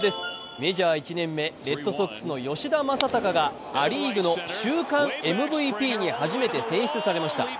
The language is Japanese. メジャー１年目、レッドソックスの吉田正尚がア・リーグの週間ＭＶＰに初めて選出されました。